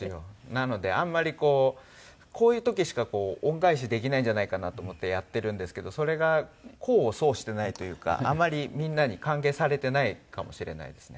なのであんまりこうこういう時しか恩返しできないんじゃないかなと思ってやってるんですけどそれが功を奏してないというかあまりみんなに歓迎されてないかもしれないですね。